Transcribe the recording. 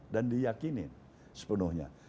dan diyakinin sepenuhnya